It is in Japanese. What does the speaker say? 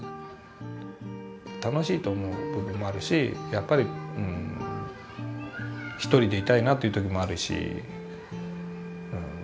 楽しいと思う部分もあるしやっぱり一人でいたいなという時もあるし。